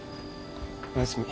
おやすみ。